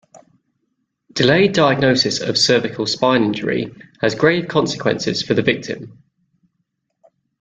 Delayed diagnosis of cervical spine injury has grave consequences for the victim.